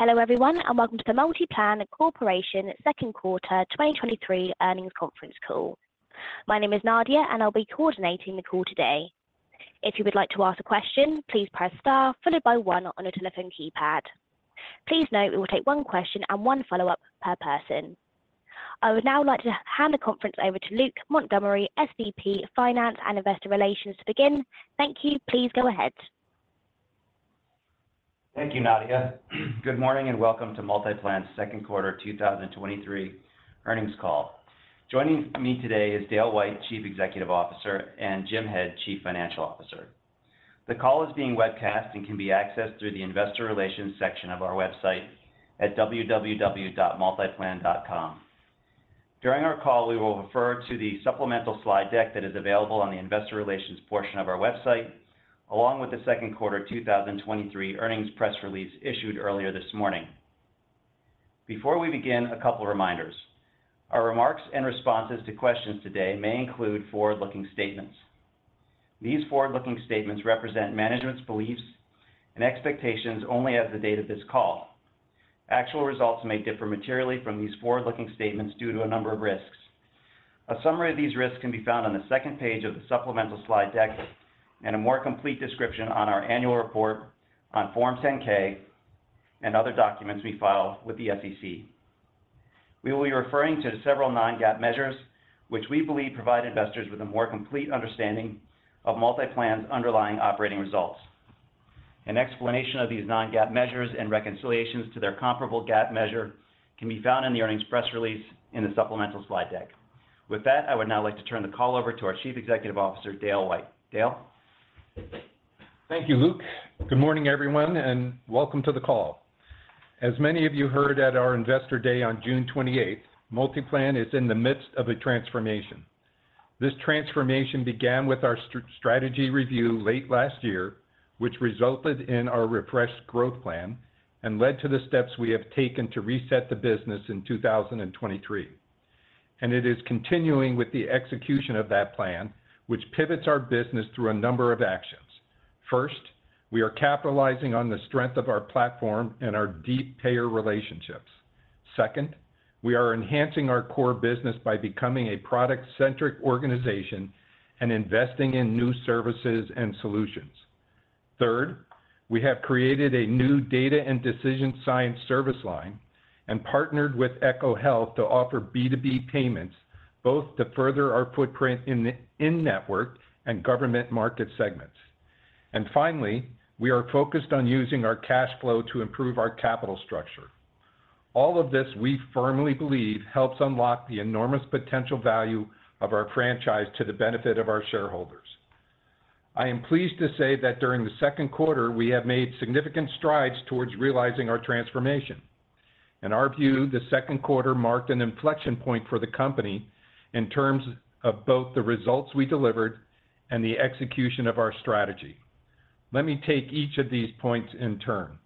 Hello, everyone, and welcome to the MultiPlan Corporation Second Quarter 2023 Earnings Conference Call. My name is Nadia, and I'll be coordinating the call today. If you would like to ask a question, please press star followed by one on your telephone keypad. Please note we will take one question and one follow-up per person. I would now like to hand the conference over to Luke Montgomery, SVP, Finance and Investor Relations, to begin. Thank you. Please go ahead. Thank you, Nadia. Good morning, and welcome to MultiPlan's second quarter 2023 earnings call. Joining me today is Dale White, Chief Executive Officer, and Jim Head, Chief Financial Officer. The call is being webcast and can be accessed through the Investor Relations section of our website at www.multiplan.com. During our call, we will refer to the supplemental slide deck that is available on the Investor Relations portion of our website, along with the 2nd quarter 2023 earnings press release issued earlier this morning. Before we begin, a couple reminders. Our remarks and responses to questions today may include forward-looking statements. These forward-looking statements represent management's beliefs and expectations only as of the date of this call. Actual results may differ materially from these forward-looking statements due to a number of risks. A summary of these risks can be found on the second page of the supplemental slide deck, and a more complete description on our annual report on Form 10-K and other documents we file with the SEC. We will be referring to several non-GAAP measures, which we believe provide investors with a more complete understanding of MultiPlan's underlying operating results. An explanation of these non-GAAP measures and reconciliations to their comparable GAAP measure can be found in the earnings press release in the supplemental slide deck. With that, I would now like to turn the call over to our Chief Executive Officer, Dale White. Dale? Thank you, Luke. Good morning, everyone, welcome to the call. As many of you heard at our Investor Day on June 28th, MultiPlan is in the midst of a transformation. This transformation began with our strategy review late last year, which resulted in our refreshed growth plan and led to the steps we have taken to reset the business in 2023. It is continuing with the execution of that plan, which pivots our business through a number of actions. First, we are capitalizing on the strength of our platform and our deep payer relationships. Second, we are enhancing our core business by becoming a product-centric organization and investing in new services and solutions. Third, we have created a new data and decision science service line and partnered with ECHO Health to offer B2B payments, both to further our footprint in the in-network and government market segments. Finally, we are focused on using our cash flow to improve our capital structure. All of this, we firmly believe, helps unlock the enormous potential value of our franchise to the benefit of our shareholders. I am pleased to say that during the second quarter, we have made significant strides towards realizing our transformation. In our view, the second quarter marked an inflection point for the company in terms of both the results we delivered and the execution of our strategy. Let me take each of these points in turn.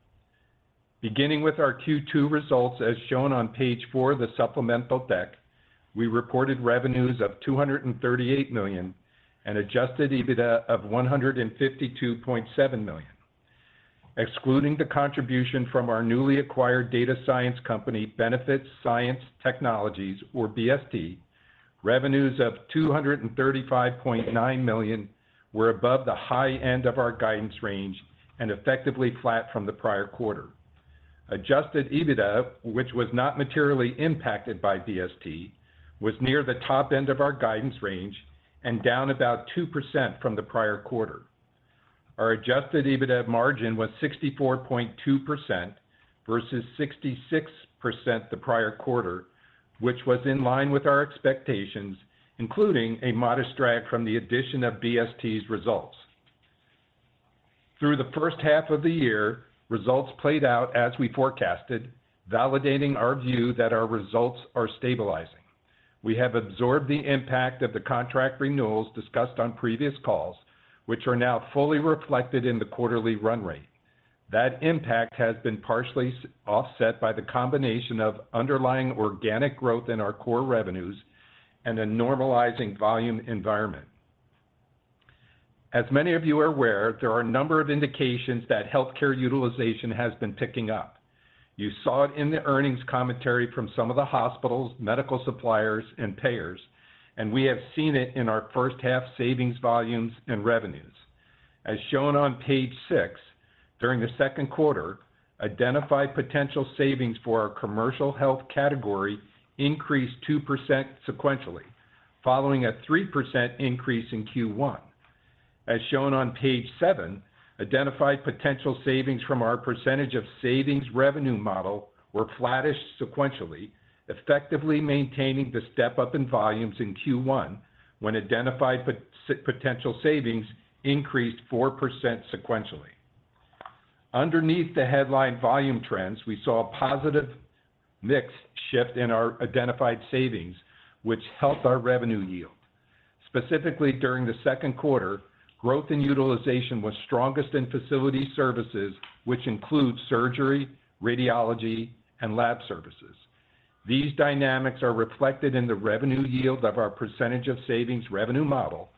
Beginning with our Q2 results, as shown on page 4 of the supplemental deck, we reported revenues of $238 million and adjusted EBITDA of $152.7 million. Excluding the contribution from our newly acquired data science company, Benefits Science Technologies or BST, revenues of $235.9 million were above the high end of our guidance range and effectively flat from the prior quarter. Adjusted EBITDA, which was not materially impacted by BST, was near the top end of our guidance range and down about 2% from the prior quarter. Our adjusted EBITDA margin was 64.2% versus 66% the prior quarter, which was in line with our expectations, including a modest drag from the addition of BST's results. Through the first half of the year, results played out as we forecasted, validating our view that our results are stabilizing. We have absorbed the impact of the contract renewals discussed on previous calls, which are now fully reflected in the quarterly run rate. That impact has been partially offset by the combination of underlying organic growth in our core revenues and a normalizing volume environment. As many of you are aware, there are a number of indications that healthcare utilization has been picking up. You saw it in the earnings commentary from some of the hospitals, medical suppliers, and payers, and we have seen it in our first half savings volumes and revenues. As shown on page 6, during the second quarter, identified potential savings for our commercial health category increased 2% sequentially, following a 3% increase in Q1. As shown on page 7, identified potential savings from our percentage of savings revenue model were flattish sequentially, effectively maintaining the step-up in volumes in Q1, when identified potential savings increased 4% sequentially. Underneath the headline volume trends, we saw a positive mix shift in our identified savings, which helped our revenue yield. Specifically, during the second quarter, growth in utilization was strongest in facility services, which include surgery, radiology, and lab services. These dynamics are reflected in the revenue yield of our percentage of savings revenue model,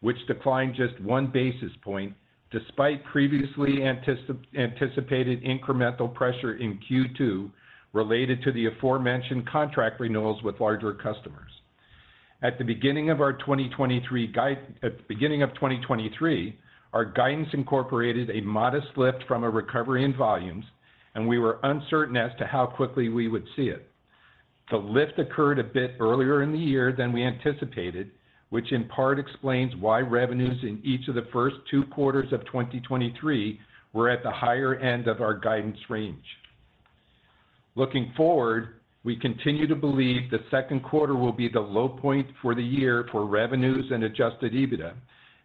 which declined just 1 basis point despite previously anticipated incremental pressure in Q2 related to the aforementioned contract renewals with larger customers. At the beginning of 2023, our guidance incorporated a modest lift from a recovery in volumes and we were uncertain as to how quickly we would see it. The lift occurred a bit earlier in the year than we anticipated, which in part explains why revenues in each of the first two quarters of 2023 were at the higher end of our guidance range. Looking forward, we continue to believe the second quarter will be the low point for the year for revenues and adjusted EBITDA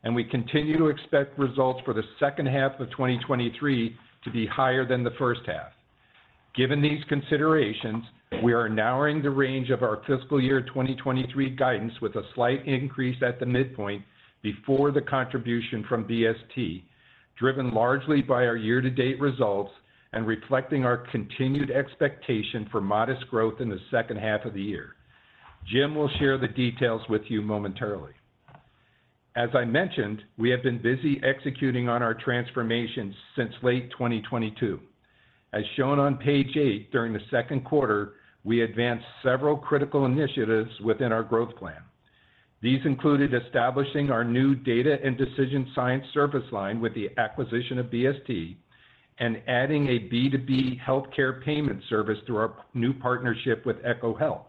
and we continue to expect results for the second half of 2023 to be higher than the first half. Given these considerations, we are narrowing the range of our fiscal year 2023 guidance with a slight increase at the midpoint before the contribution from BST, driven largely by our year-to-date results and reflecting our continued expectation for modest growth in the second half of the year. Jim will share the details with you momentarily. As I mentioned, we have been busy executing on our transformation since late 2022. As shown on page eight, during the second quarter, we advanced several critical initiatives within our growth plan. These included establishing our new data and decision science service line with the acquisition of BST, and adding a B2B healthcare payment service through our new partnership with ECHO Health.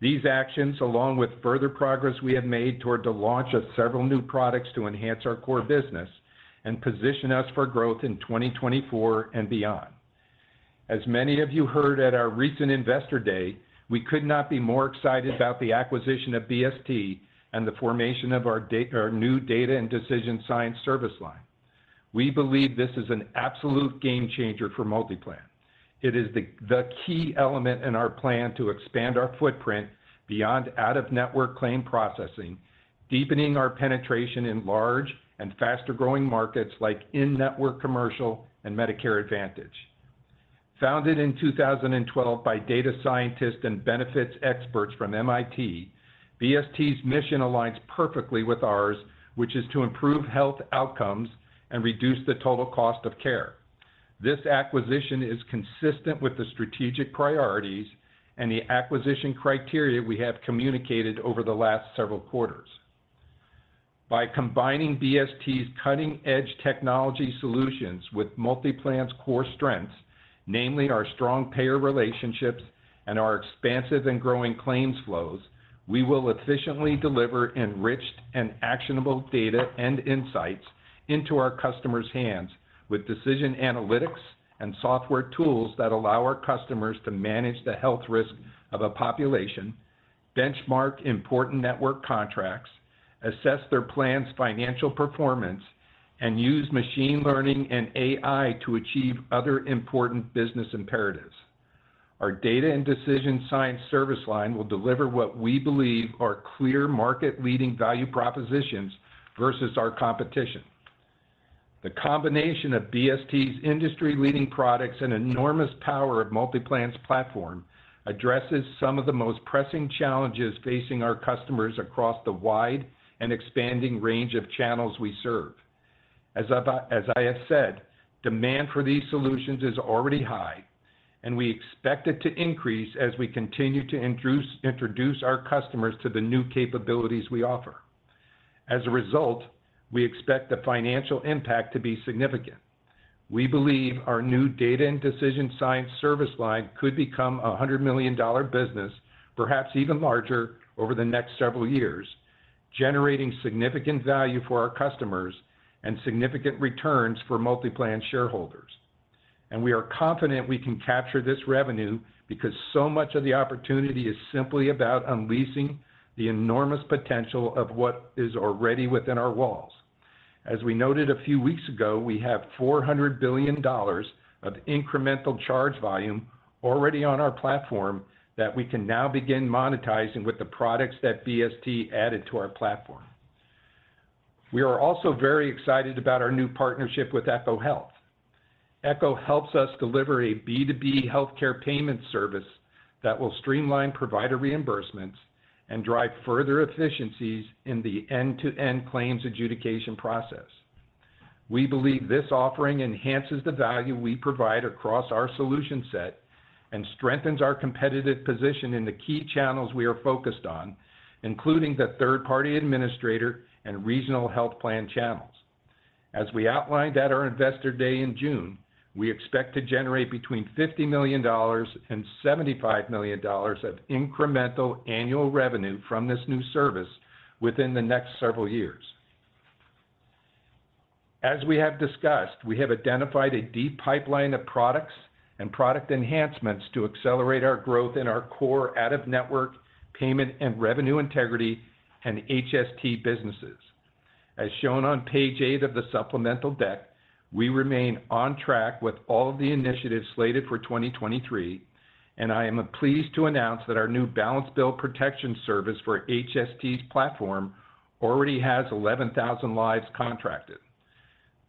These actions, along with further progress we have made toward the launch of several new products to enhance our core business and position us for growth in 2024 and beyond. As many of you heard at our recent Investor Day, we could not be more excited about the acquisition of BST and the formation of our new data and decision science service line. We believe this is an absolute game changer for MultiPlan. It is the, the key element in our plan to expand our footprint beyond out-of-network claim processing, deepening our penetration in large and faster-growing markets like in-network commercial and Medicare Advantage. Founded in 2012 by data scientists and benefits experts from MIT, BST's mission aligns perfectly with ours, which is to improve health outcomes and reduce the total cost of care. This acquisition is consistent with the strategic priorities and the acquisition criteria we have communicated over the last several quarters. By combining BST's cutting-edge technology solutions with MultiPlan's core strengths, namely our strong payer relationships and our expansive and growing claims flows, we will efficiently deliver enriched and actionable data and insights into our customers' hands with decision analytics and software tools that allow our customers to manage the health risk of a population, benchmark important network contracts, assess their plans' financial performance, and use machine learning and AI to achieve other important business imperatives. Our data and decision science service line will deliver what we believe are clear market-leading value propositions versus our competition. The combination of BST's industry-leading products and enormous power of MultiPlan's platform addresses some of the most pressing challenges facing our customers across the wide and expanding range of channels we serve. As I have said, demand for these solutions is already high and we expect it to increase as we continue to introduce our customers to the new capabilities we offer. As a result, we expect the financial impact to be significant. We believe our new data and decision science service line could become a $100 million business, perhaps even larger over the next several years, generating significant value for our customers and significant returns for MultiPlan shareholders. We are confident we can capture this revenue because so much of the opportunity is simply about unleashing the enormous potential of what is already within our walls. As we noted a few weeks ago, we have $400 billion of incremental charge volume already on our platform that we can now begin monetizing with the products that BST added to our platform. We are also very excited about our new partnership with ECHO Health. ECHO helps us deliver a B2B healthcare payment service that will streamline provider reimbursements and drive further efficiencies in the end-to-end claims adjudication process. We believe this offering enhances the value we provide across our solution set and strengthens our competitive position in the key channels we are focused on, including the third-party administrator and regional health plan channels. As we outlined at our Investor Day in June, we expect to generate between $50 million and $75 million of incremental annual revenue from this new service within the next several years. As we have discussed, we have identified a deep pipeline of products and product enhancements to accelerate our growth in our core out-of-network payment and revenue integrity and HST businesses. As shown on page 8 of the supplemental deck, we remain on track with all the initiatives slated for 2023. I am pleased to announce that our new Balance Bill Protection service for HST's platform already has 11,000 lives contracted.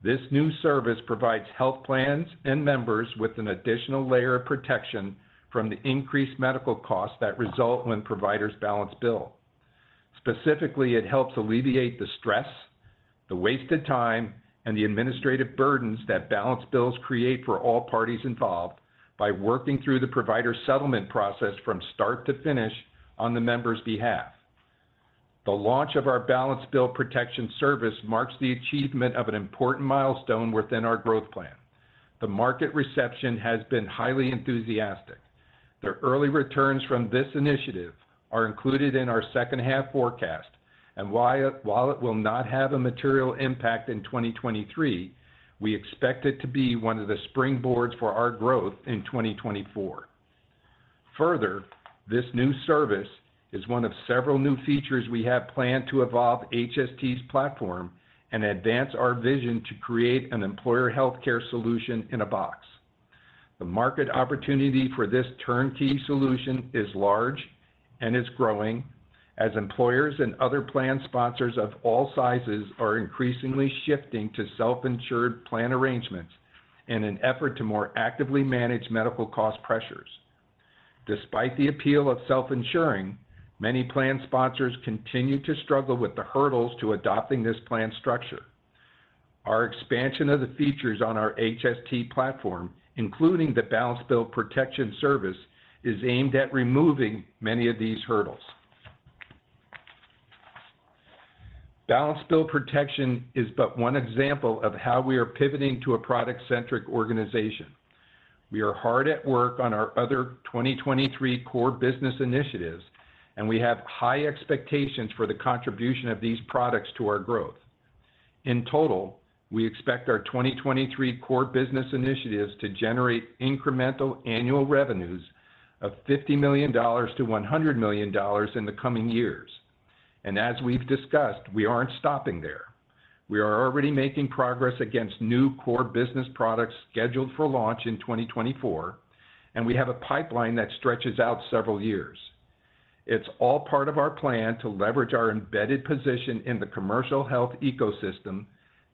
This new service provides health plans and members with an additional layer of protection from the increased medical costs that result when providers balance bill. Specifically, it helps alleviate the stress, the wasted time, and the administrative burdens that balance bills create for all parties involved by working through the provider settlement process from start to finish on the member's behalf. The launch of our Balance Bill Protection service marks the achievement of an important milestone within our growth plan. The market reception has been highly enthusiastic. The early returns from this initiative are included in our second half forecast, and while it will not have a material impact in 2023, we expect it to be one of the springboards for our growth in 2024. Further, this new service is one of several new features we have planned to evolve HST's platform and advance our vision to create an employer healthcare solution in a box. The market opportunity for this turnkey solution is large and is growing, as employers and other plan sponsors of all sizes are increasingly shifting to self-insured plan arrangements in an effort to more actively manage medical cost pressures. Despite the appeal of self-insuring, many plan sponsors continue to struggle with the hurdles to adopting this plan structure. Our expansion of the features on our HST platform including the Balance Bill Protection service, is aimed at removing many of these hurdles. Balance Bill Protection is but one example of how we are pivoting to a product-centric organization. We are hard at work on our other 2023 core business initiatives, and we have high expectations for the contribution of these products to our growth. In total, we expect our 2023 core business initiatives to generate incremental annual revenues of $50 million-$100 million in the coming years. As we've discussed, we aren't stopping there. We are already making progress against new core business products scheduled for launch in 2024 and we have a pipeline that stretches out several years. It's all part of our plan to leverage our embedded position in the commercial health ecosystem,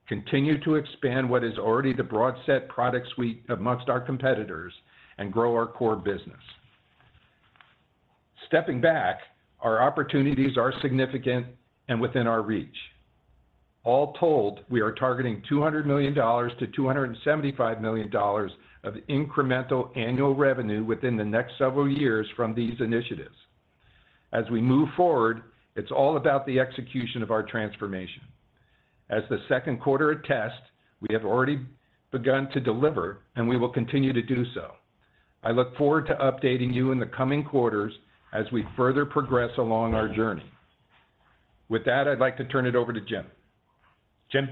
continue to expand what is already the broad set product suite amongst our competitors, and grow our core business. Stepping back, our opportunities are significant and within our reach. All told, we are targeting $200 million-$275 million of incremental annual revenue within the next several years from these initiatives. As we move forward, it's all about the execution of our transformation. As the second quarter attest, we have already begun to deliver, and we will continue to do so. I look forward to updating you in the coming quarters as we further progress along our journey. With that, I'd like to turn it over to Jim. Jim?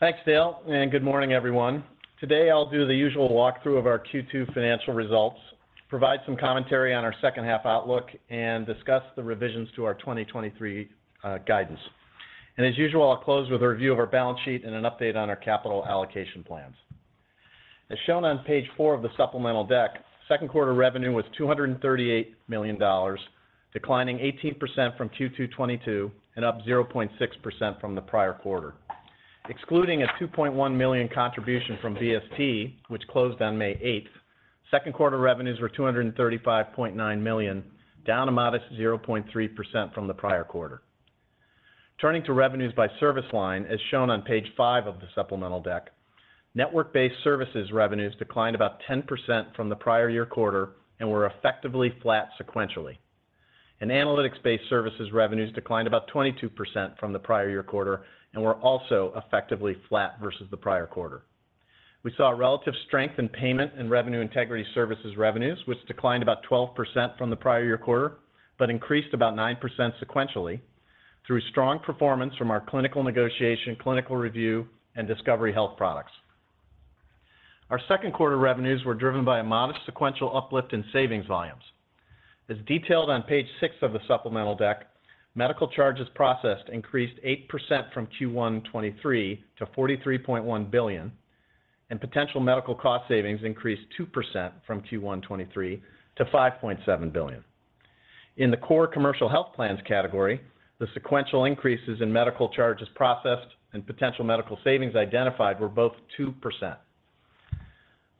Thanks, Dale. Good morning, everyone. Today, I'll do the usual walkthrough of our Q2 financial results, provide some commentary on our second half outlook, and discuss the revisions to our 2023 guidance. As usual, I'll close with a review of our balance sheet and an update on our capital allocation plans. As shown on page 4 of the supplemental deck, second quarter revenue was $238 million, declining 18% from Q2 2022, and up 0.6% from the prior quarter. Excluding a $2.1 million contribution from BST, which closed on May 8th, second quarter revenues were $235.9 million, down a modest 0.3% from the prior quarter. Turning to revenues by service line, as shown on page 5 of the supplemental deck, network-based services revenues declined about 10% from the prior year quarter and were effectively flat sequentially. analytics-based services revenues declined about 22% from the prior year quarter and were also effectively flat versus the prior quarter. We saw a relative strength in payment and revenue integrity services revenues, which declined about 12% from the prior year quarter, but increased about 9% sequentially through strong performance from our clinical negotiation, clinical review, and Discovery Health products. Our second quarter revenues were driven by a modest sequential uplift in savings volumes. As detailed on page 6 of the supplemental deck, medical charges processed increased 8% from Q1 2023 to $43.1 billion, and potential medical cost savings increased 2% from Q1 2023 to $5.7 billion. In the core commercial health plans category, the sequential increases in medical charges processed and potential medical savings identified were both 2%.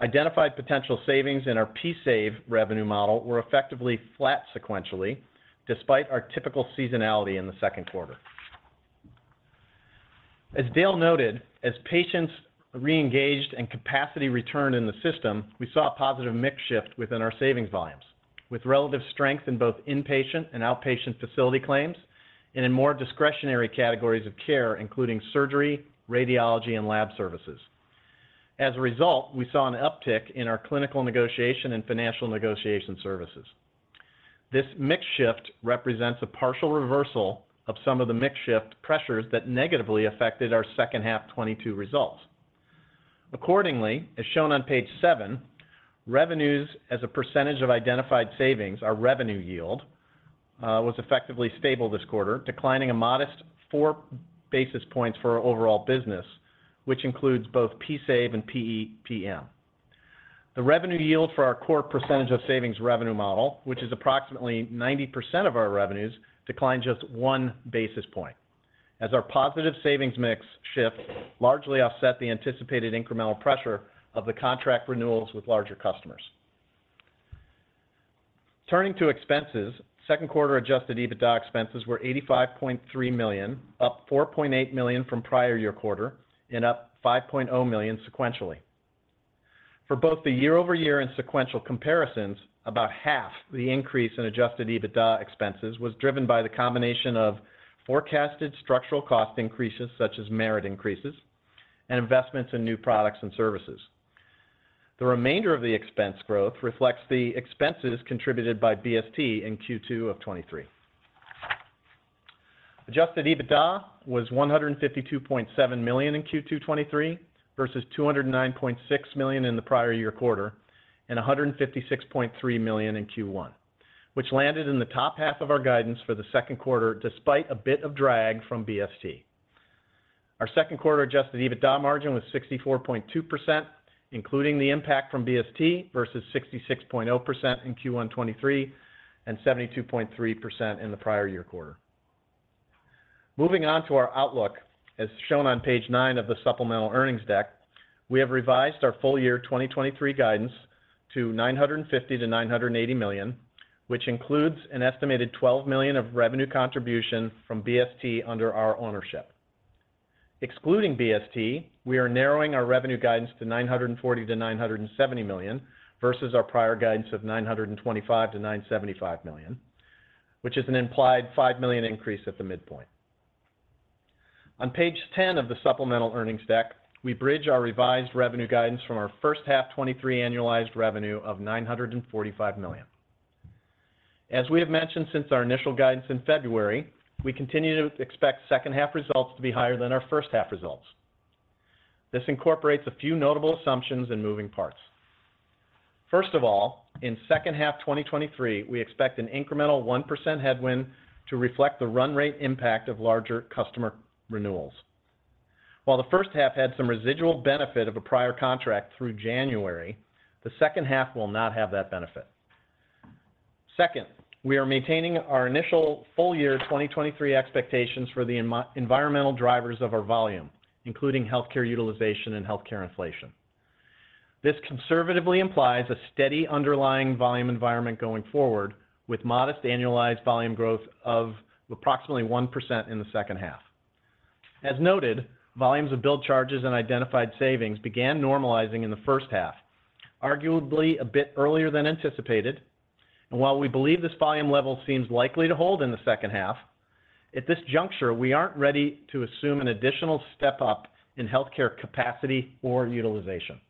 Identified potential savings in our PSAV revenue model were effectively flat sequentially, despite our typical seasonality in the second quarter. As Dale noted, as patients reengaged and capacity returned in the system, we saw a positive mix shift within our savings volumes, with relative strength in both inpatient and outpatient facility claims, and in more discretionary categories of care, including surgery, radiology, and lab services. As a result, we saw an uptick in our clinical negotiation and financial negotiation services. This mix shift represents a partial reversal of some of the mix shift pressures that negatively affected our second half 2022 results. Accordingly, as shown on page 7, revenues as a percentage of identified savings, our revenue yield, was effectively stable this quarter, declining a modest 4 basis points for our overall business, which includes both PSAV and PEPM. The revenue yield for our core percentage of savings revenue model, which is approximately 90% of our revenues, declined just 1 basis point. As our positive savings mix shift largely offset the anticipated incremental pressure of the contract renewals with larger customers. Turning to expenses, second quarter adjusted EBITDA expenses were $85.3 million, up $4.8 million from prior year quarter and up $5.0 million sequentially. For both the year-over-year and sequential comparisons, about half the increase in adjusted EBITDA expenses was driven by the combination of forecasted structural cost increases, such as merit increases and investments in new products and services. The remainder of the expense growth reflects the expenses contributed by BST in Q2 of 2023. Adjusted EBITDA was $152.7 million in Q2 2023, versus $209.6 million in the prior year quarter, and $156.3 million in Q1, which landed in the top half of our guidance for the second quarter, despite a bit of drag from BST. Our second quarter Adjusted EBITDA margin was 64.2%, including the impact from BST, versus 66.0% in Q1 2023, and 72.3% in the prior year quarter. Moving on to our outlook. As shown on page 9 of the supplemental earnings deck, we have revised our full year 2023 guidance to $950 million-$980 million, which includes an estimated $12 million of revenue contribution from BST under our ownership. Excluding BST, we are narrowing our revenue guidance to $940 million-$970 million versus our prior guidance of $925 million-$975 million, which is an implied $5 million increase at the midpoint. On page 10 of the supplemental earnings deck, we bridge our revised revenue guidance from our first half 2023 annualized revenue of $945 million. As we have mentioned since our initial guidance in February, we continue to expect second half results to be higher than our first half results. This incorporates a few notable assumptions and moving parts. First of all, in second half 2023, we expect an incremental 1% headwind to reflect the run rate impact of larger customer renewals. While the first half had some residual benefit of a prior contract through January, the second half will not have that benefit. Second, we are maintaining our initial full year 2023 expectations for the environmental drivers of our volume, including healthcare utilization and healthcare inflation. This conservatively implies a steady underlying volume environment going forward, with modest annualized volume growth of approximately 1% in the second half. As noted, volumes of billed charges and identified savings began normalizing in the first half, arguably a bit earlier than anticipated. While we believe this volume level seems likely to hold in the second half, at this juncture, we aren't ready to assume an additional step up in healthcare capacity or utilization.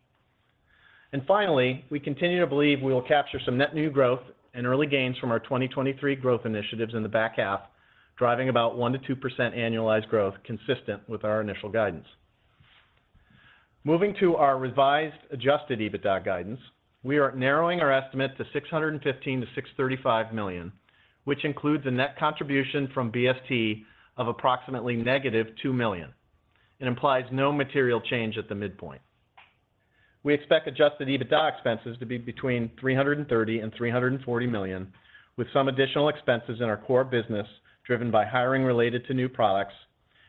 Finally, we continue to believe we will capture some net new growth and early gains from our 2023 growth initiatives in the back half, driving about 1%-2% annualized growth consistent with our initial guidance. Moving to our revised adjusted EBITDA guidance, we are narrowing our estimate to $615 million-$635 million, which includes a net contribution from BST of approximately -$2 million, and implies no material change at the midpoint. We expect adjusted EBITDA expenses to be between $330 million and $340 million, with some additional expenses in our core business driven by hiring related to new products,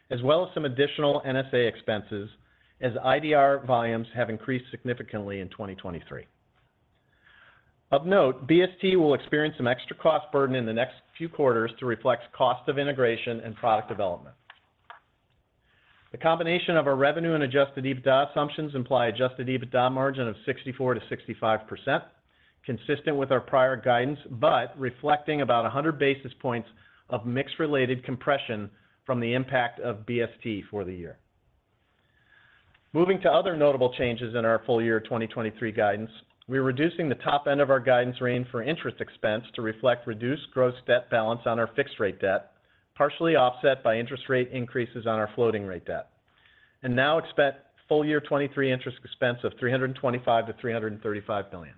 as well as some additional NSA expenses, as IDR volumes have increased significantly in 2023. Of note, BST will experience some extra cost burden in the next few quarters to reflect cost of integration and product development. The combination of our revenue and adjusted EBITDA assumptions imply adjusted EBITDA margin of 64%-65%, consistent with our prior guidance, but reflecting about 100 basis points of mix-related compression from the impact of BST for the year. Moving to other notable changes in our full year 2023 guidance, we're reducing the top end of our guidance range for interest expense to reflect reduced gross debt balance on our fixed rate debt, partially offset by interest rate increases on our floating rate debt. Now expect full year 2023 interest expense of $325 million-$335 million.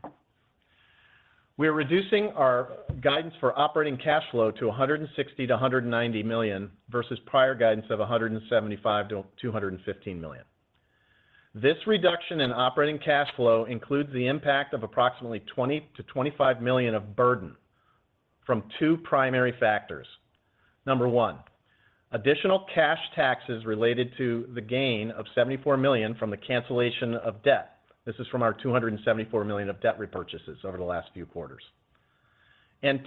We are reducing our guidance for operating cash flow to $160 million-$190 million versus prior guidance of $175 million-$215 million. This reduction in operating cash flow includes the impact of approximately $20 million-$25 million of burden from two primary factors. Number one, additional cash taxes related to the gain of $74 million from the cancellation of debt. This is from our $274 million of debt repurchases over the last few quarters.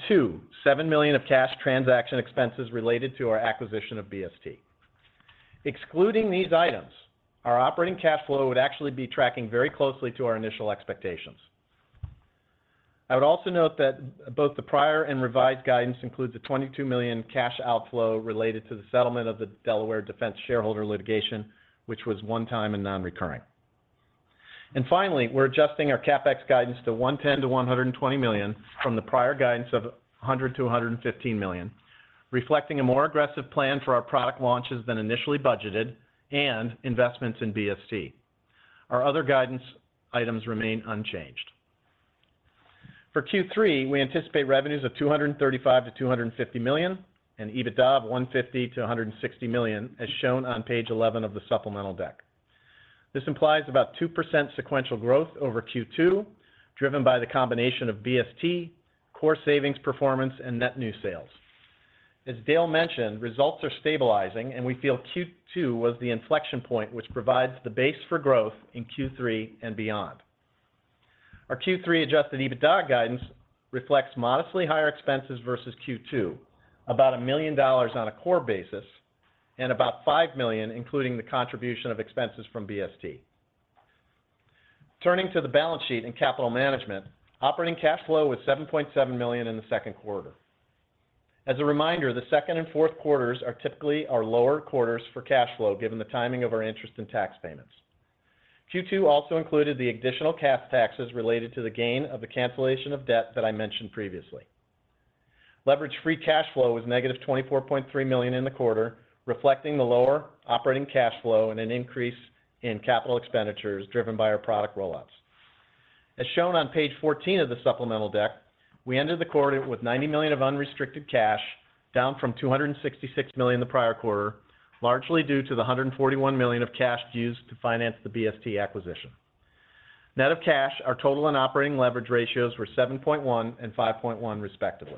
Two, $7 million of cash transaction expenses related to our acquisition of BST. Excluding these items, our operating cash flow would actually be tracking very closely to our initial expectations. I would also note that both the prior and revised guidance includes a $22 million cash outflow related to the settlement of the Delaware shareholder litigation, which was one time and non-recurring. Finally, we're adjusting our CapEx guidance to $110 million-$120 million from the prior guidance of $100 million-$115 million, reflecting a more aggressive plan for our product launches than initially budgeted and investments in BST. Our other guidance items remain unchanged. For Q3, we anticipate revenues of $235 million-$250 million and EBITDA of $150 million-$160 million, as shown on page 11 of the supplemental deck. This implies about 2% sequential growth over Q2, driven by the combination of BST, core savings performance, and net new sales. As Dale mentioned, results are stabilizing, and we feel Q2 was the inflection point, which provides the base for growth in Q3 and beyond. Our Q3 adjusted EBITDA guidance reflects modestly higher expenses versus Q2, about $1 million on a core basis, and about $5 million, including the contribution of expenses from BST. Turning to the balance sheet and capital management, operating cash flow was $7.7 million in the second quarter. As a reminder, the second and fourth quarters are typically our lower quarters for cash flow, given the timing of our interest and tax payments. Q2 also included the additional cash taxes related to the gain of the cancellation of debt that I mentioned previously. Leverage-free cash flow was -$24.3 million in the quarter, reflecting the lower operating cash flow and an increase in capital expenditures driven by our product rollouts. As shown on page 14 of the supplemental deck, we ended the quarter with $90 million of unrestricted cash, down from $266 million the prior quarter, largely due to the $141 million of cash used to finance the BST acquisition. Net of cash, our total and operating leverage ratios were 7.1 and 5.1, respectively.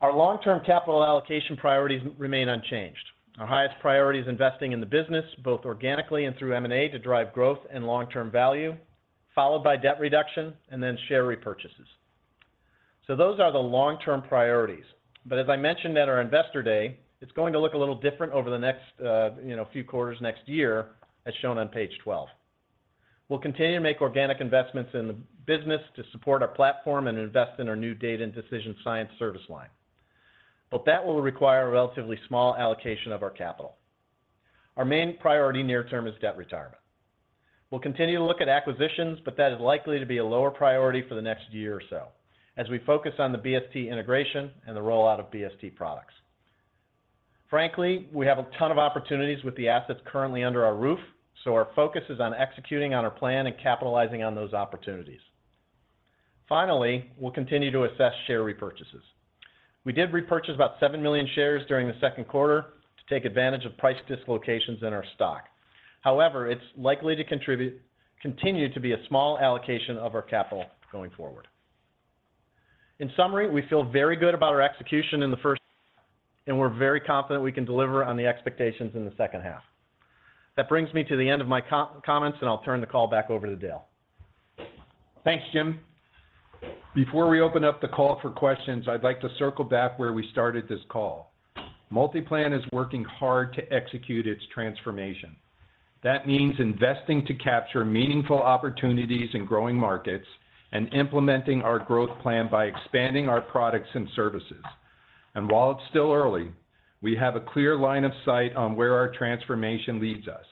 Our long-term capital allocation priorities remain unchanged. Our highest priority is investing in the business, both organically and through M&A, to drive growth and long-term value, followed by debt reduction and then share repurchases. Those are the long-term priorities, but as I mentioned at our Investor Day, it's going to look a little different over the next, you know, few quarters next year, as shown on page 12. We'll continue to make organic investments in the business to support our platform and invest in our new data and decision science service line. That will require a relatively small allocation of our capital. Our main priority near term is debt retirement. We'll continue to look at acquisitions, that is likely to be a lower priority for the next year or so, as we focus on the BST integration and the rollout of BST products. Frankly, we have a ton of opportunities with the assets currently under our roof, our focus is on executing on our plan and capitalizing on those opportunities. Finally, we'll continue to assess share repurchases. We did repurchase about 7 million shares during the second quarter to take advantage of price dislocations in our stock. However, it's likely to continue to be a small allocation of our capital going forward. In summary, we feel very good about our execution in the first, and we're very confident we can deliver on the expectations in the second half. That brings me to the end of my comments, and I'll turn the call back over to Dale. Thanks, Jim. Before we open up the call for questions, I'd like to circle back where we started this call. MultiPlan is working hard to execute its transformation. That means investing to capture meaningful opportunities in growing markets and implementing our growth plan by expanding our products and services. While it's still early, we have a clear line of sight on where our transformation leads us.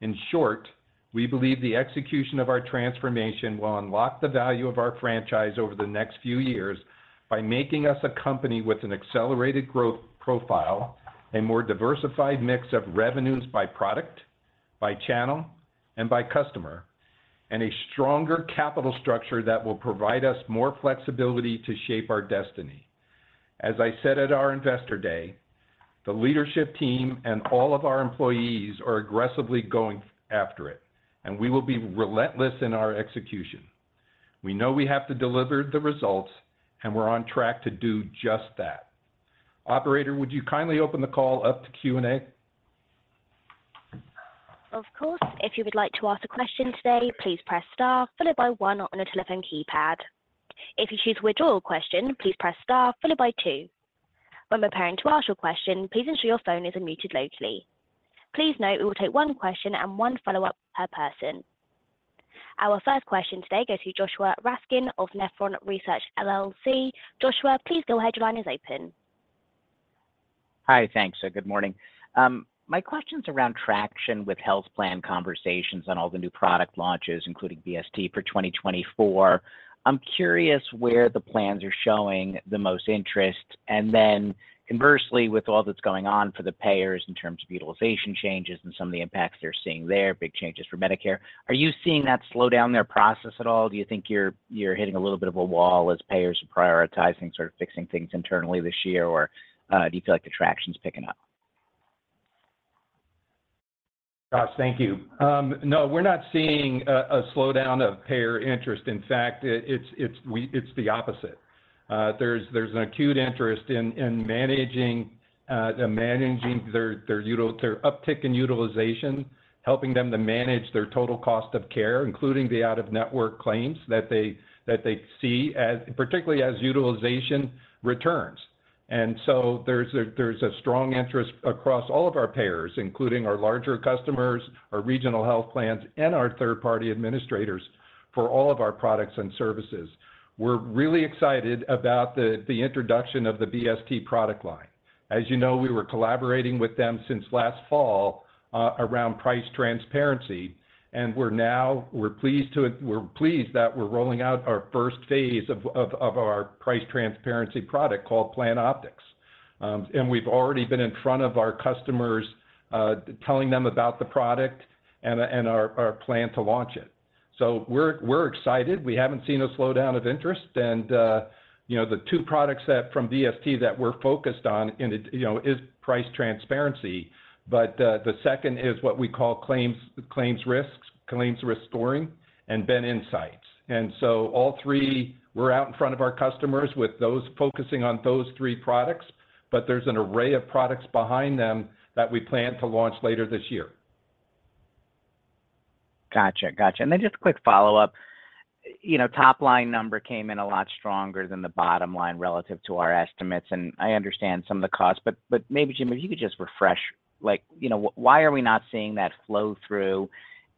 In short, we believe the execution of our transformation will unlock the value of our franchise over the next few years by making us a company with an accelerated growth profile, a more diversified mix of revenues by product, by channel, and by customer, and a stronger capital structure that will provide us more flexibility to shape our destiny. As I said at our Investor Day, the leadership team and all of our employees are aggressively going after it, and we will be relentless in our execution. We know we have to deliver the results, and we're on track to do just that. Operator, would you kindly open the call up to Q&A? Of course. If you would like to ask a question today, please press star, followed by one on the telephone keypad. If you choose to withdraw a question, please press star followed by two. When preparing to ask your question, please ensure your phone isn't muted locally. Please note, we will take one question and one follow-up per person. Our first question today goes to Joshua Raskin of Nephron Research LLC. Joshua, please go ahead. Your line is open. Hi, thanks. Good morning. My question's around traction with health plan conversations on all the new product launches, including BST for 2024. I'm curious where the plans are showing the most interest, and then conversely, with all that's going on for the payers in terms of utilization changes and some of the impacts they're seeing there, big changes for Medicare, are you seeing that slow down their process at all? Do you think you're, you're hitting a little bit of a wall as payers are prioritizing sort of fixing things internally this year, or do you feel like the traction is picking up? Josh, thank you. No, we're not seeing a slowdown of payer interest. In fact, it's the opposite. There's an acute interest in managing their uptick in utilization, helping them to manage their total cost of care, including the out-of-network claims that they see as, particularly as utilization returns. So there's a strong interest across all of our payers, including our larger customers, our regional health plans, and our third-party administrators, for all of our products and services. We're really excited about the introduction of the BST product line. As you know, we were collaborating with them since last fall around price transparency, and we're pleased that we're rolling out our first phase of our price transparency product called Plan Optics. And we've already been in front of our customers, telling them about the product and our, and our plan to launch it. We're, we're excited. We haven't seen a slowdown of interest, the two products that from BST that we're focused on and it is price transparency, but the second is what we call claims risks, claims restoring, and then insights. All three, we're out in front of our customers with those focusing on those three products, but there's an array of products behind them that we plan to launch later this year. Gotcha. Gotcha. Then just a quick follow-up. You know, top-line number came in a lot stronger than the bottom line relative to our estimates, and I understand some of the costs, but maybe, Jim, if you could just refresh, like, you know, why are we not seeing that flow through?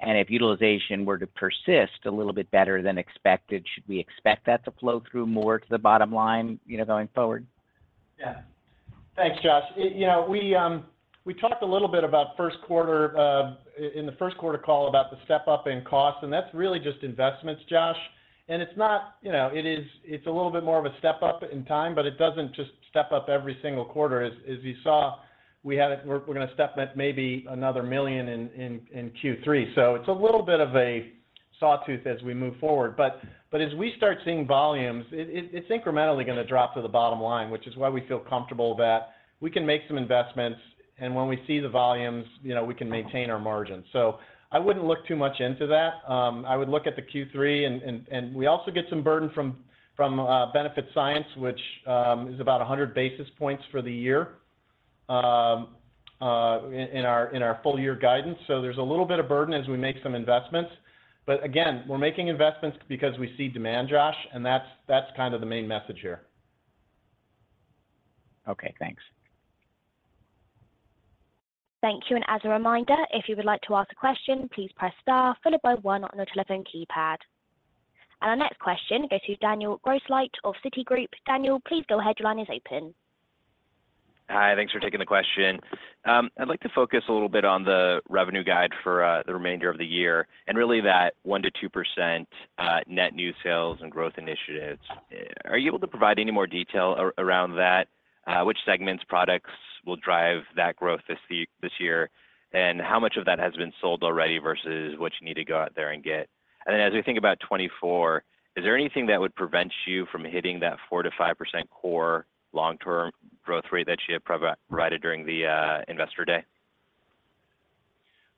If utilization were to persist a little bit better than expected, should we expect that to flow through more to the bottom line, you know, going forward? Yeah. Thanks, Josh. You know, we talked a little bit about first quarter in the first quarter call about the step up in cost. That's really just investments, Josh. It's not, you know, it's a little bit more of a step up in time. It doesn't just step up every single quarter. As you saw, we had it. We're gonna step maybe another $1 million in Q3. It's a little bit of a sawtooth as we move forward. As we start seeing volumes, it's incrementally gonna drop to the bottom line, which is why we feel comfortable that we can make some investments. When we see the volumes, you know, we can maintain our margins. I wouldn't look too much into that. I would look at the Q3, and we also get some burden from Benefits Science, which is about 100 basis points for the year, in our full year guidance. There's a little bit of burden as we make some investments. Again, we're making investments because we see demand, Josh, and that's, that's kind of the main message here. Okay, thanks. Thank you. As a reminder, if you would like to ask a question, please press star followed by one on your telephone keypad. Our next question goes to Daniel Grosslight of Citigroup. Daniel, please go ahead. Your line is open. Hi, thanks for taking the question. I'd like to focus a little bit on the revenue guide for the remainder of the year, and really that 1%-2% net new sales and growth initiatives. Are you able to provide any more detail around that? Which segments, products will drive that growth this year, this year? How much of that has been sold already versus what you need to go out there and get? Then as we think about 2024, is there anything that would prevent you from hitting that 4%-5% core long-term growth rate that you had provided during the Investor Day?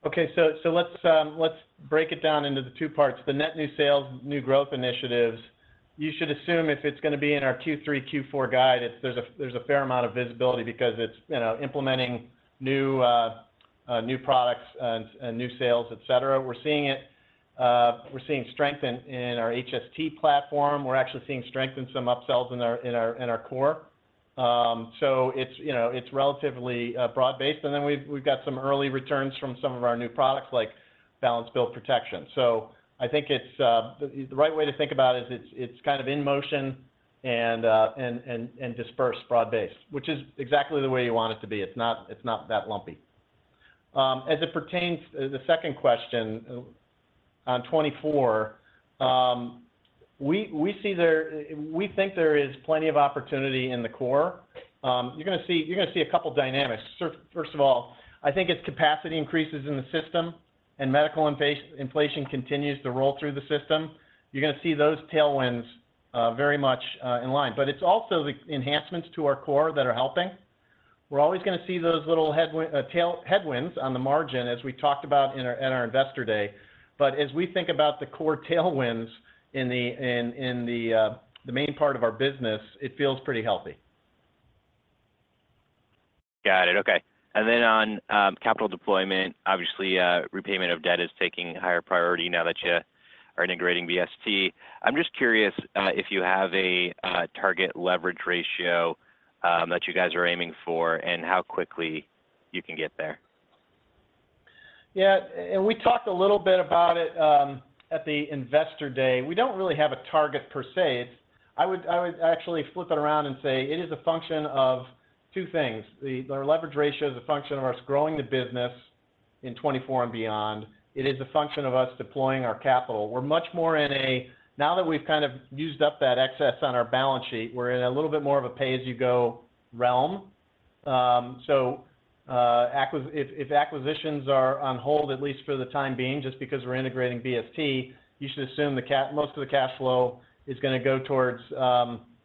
Okay. Let's let's break it down into the two parts. The net new sales, new growth initiatives, you should assume if it's gonna be in our Q3, Q4 guide, there's a, there's a fair amount of visibility because it's, you know, implementing new, new products and, and new sales, et cetera. We're seeing it, we're seeing strength in, in our HST platform. We're actually seeing strength in some upsells in our, in our, in our core. It's, you know, it's relatively broad-based. And then we've, we've got some early returns from some of our new products, like Balance Bill Protection. I think it's, the right way to think about it is it's, it's kind of in motion and, and, and, and dispersed broad-based, which is exactly the way you want it to be. It's not, it's not that lumpy. As it pertains, the second question on 2024, we think there is plenty of opportunity in the core. You're gonna see, you're gonna see a couple dynamics. First of all, I think it's capacity increases in the system, and medical inflation continues to roll through the system. You're gonna see those tailwinds very much in line. It's also the enhancements to our core that are helping. We're always gonna see those little headwinds on the margin, as we talked about in our Investor Day. As we think about the core tailwinds in the main part of our business, it feels pretty healthy. Got it. Okay. Then on capital deployment, obviously, repayment of debt is taking higher priority now that you are integrating BST. I'm just curious if you have a target leverage ratio that you guys are aiming for and how quickly you can get there. Yeah, and we talked a little bit about it, at the Investor Day. We don't really have a target per se. I would, I would actually flip it around and say it is a function of two things. Our leverage ratio is a function of us growing the business in 2024 and beyond. It is a function of us deploying our capital. We're much more in a, now that we've kind of used up that excess on our balance sheet, we're in a little bit more of a pay-as-you-go realm. If acquisitions are on hold, at least for the time being, just because we're integrating BST, you should assume most of the cash flow is gonna go towards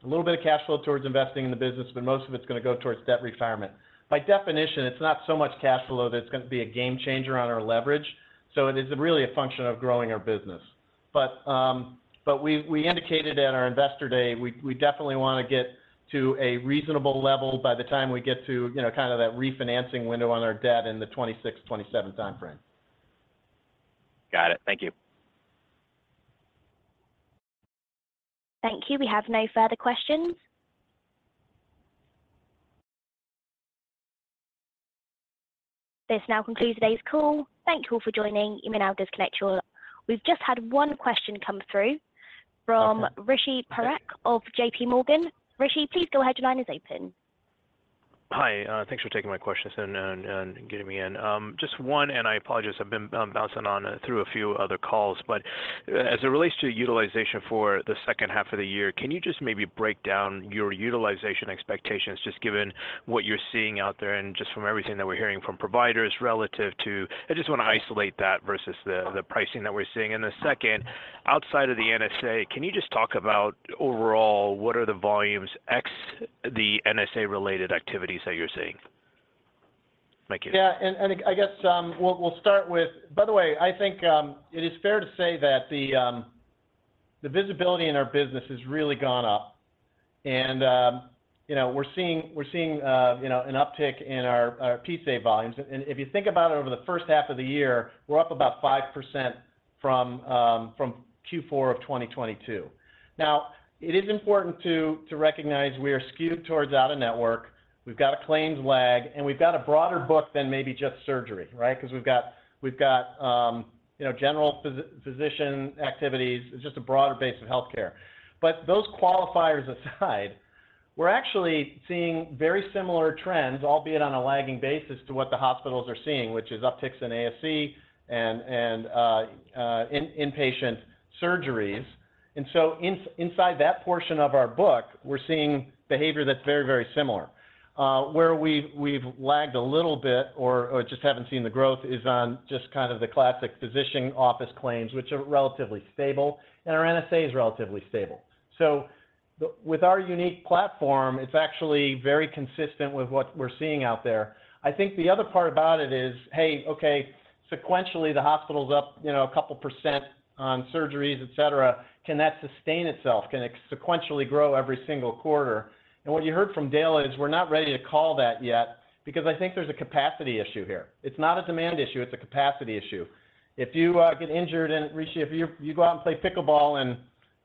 a little bit of cash flow towards investing in the business, but most of it's gonna go towards debt retirement. By definition, it's not so much cash flow that's gonna be a game changer on our leverage, so it is really a function of growing our business. But we indicated at our Investor Day, we definitely want to get to a reasonable level by the time we get to, you know, kind of that refinancing window on our debt in the 2026, 2027 time frame. Got it. Thank you. Thank you. We have no further questions. This now concludes today's call. Thank you all for joining. You may now disconnect your. We've just had one question come through from Rishi Parekh of JPMorgan. Rishi, please go ahead. Your line is open. Hi, thanks for taking my questions and, and, and getting me in. Just one, and I apologize, I've been bouncing on through a few other calls. As it relates to utilization for the second half of the year, can you just maybe break down your utilization expectations, just given what you're seeing out there and just from everything that we're hearing from providers relative to, I just wanna isolate that versus the, the pricing that we're seeing. Then second, outside of the NSA, can you just talk about, overall, what are the volumes ex the NSA-related activities that you're seeing? Thank you. Yeah, I guess, By the way, I think it is fair to say that the visibility in our business has really gone up. You know, we're seeing, you know, an uptick in our PSAV volumes. If you think about it, over the first half of the year, we're up about 5% from Q4 of 2022. Now, it is important to recognize we are skewed towards out-of-network. We've got a claims lag, and we've got a broader book than maybe just surgery, right? 'Cause we've got, you know, general physician activities. It's just a broader base of healthcare. Those qualifiers aside, we're actually seeing very similar trends, albeit on a lagging basis, to what the hospitals are seeing, which is upticks in ASC and, in-patient surgeries. So inside that portion of our book, we're seeing behavior that's very, very similar. Where we've, we've lagged a little bit or, or just haven't seen the growth is on just kind of the classic physician office claims, which are relatively stable, and our NSA is relatively stable. With our unique platform, it's actually very consistent with what we're seeing out there. I think the other part about it is, hey, okay, sequentially, the hospital's up, you know, a couple percent on surgeries, et cetera. Can that sustain itself? Can it sequentially grow every single quarter? What you heard from Dale is, we're not ready to call that yet because I think there's a capacity issue here. It's not a demand issue; it's a capacity issue. If you get injured and, Rishi, if you, you go out and play pickleball and,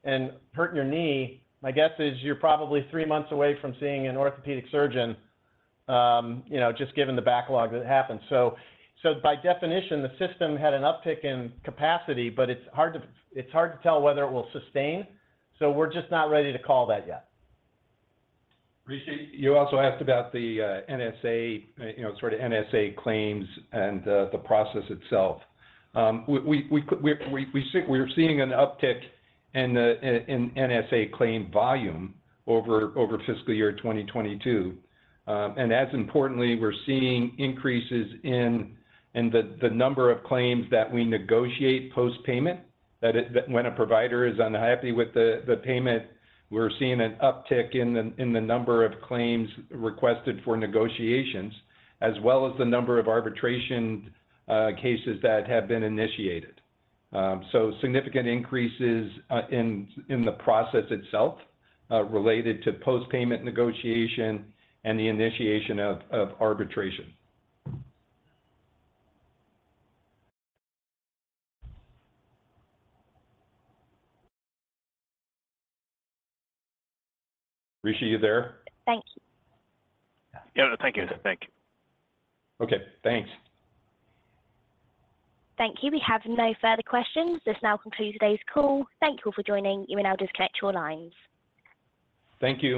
and hurt your knee, my guess is you're probably 3 months away from seeing an orthopedic surgeon, you know, just given the backlog that happens. By definition, the system had an uptick in capacity, but it's hard to, it's hard to tell whether it will sustain, so we're just not ready to call that yet. Rishi, you also asked about the NSA, you know, sort of NSA claims and the process itself. We're seeing an uptick in the NSA claim volume over fiscal year 2022. And as importantly, we're seeing increases in the number of claims that we negotiate post-payment. When a provider is unhappy with the payment, we're seeing an uptick in the number of claims requested for negotiations, as well as the number of arbitration cases that have been initiated. So significant increases in the process itself related to post-payment negotiation and the initiation of arbitration. Rishi, you there? Thank you. Yeah. No, thank you. Thank you. Okay, thanks. Thank you. We have no further questions. This now concludes today's call. Thank you for joining. You may now disconnect your lines. Thank you.